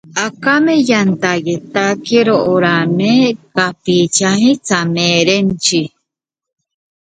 Aquí es cuando April Wine hizo un pequeño trabajo para los Rolling Stones.